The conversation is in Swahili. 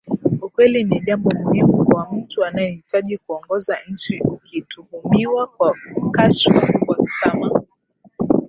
Ukweli ni jambo muhimu kwa mtu anayehitaji kuongoza nchi Ukituhumiwa kwa kashfa kubwa kama